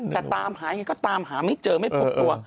แต่ตามหายังไงก็ตามหาไม่เจอไม่พบตัว